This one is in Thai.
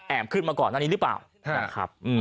แอบขึ้นมาก่อนอันนี้หรือเปล่า